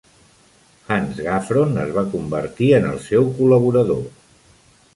Hans Gaffron es va convertir en el seu col·laborador.